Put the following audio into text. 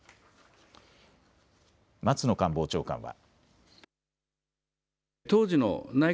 松野官房長官は。